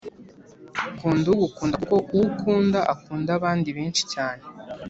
kunda ugukunda kuko uwo ukunda akunda abandi benshi cyane